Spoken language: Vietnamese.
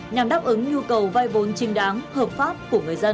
nhằm đáp ứng nhu cầu vay vốn trình đáng hợp pháp của người dân